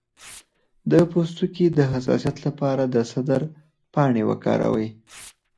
د پوستکي د حساسیت لپاره د سدر پاڼې وکاروئ